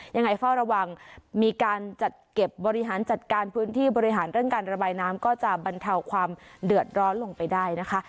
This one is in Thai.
ยังไงเฝ้าระวังมีการจัดเก็บบริหารจัดการพื้นที่บริหารเรื่องการระบายน้ำก็จะบรรเทาความเดือดร้อนลงไปได้นะคะ